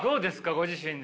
ご自身で。